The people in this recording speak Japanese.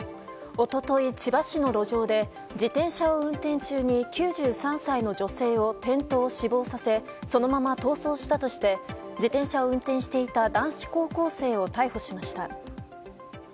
一昨日、千葉市の路上で自転車を運転中に９３歳の女性を転倒・死亡させそのまま逃走したとして自転車を運転していた男子高校生を逮捕しました。